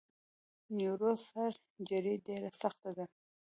نیوروسرجري ډیره سخته ده!